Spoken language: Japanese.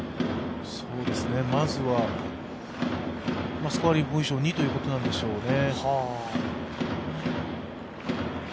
まずはスコアリングポジションにということなんでしょうね。